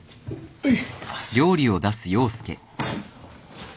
はい。